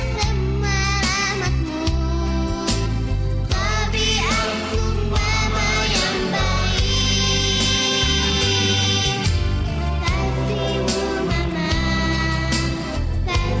kalau aku tertawa bahagia di wajahmu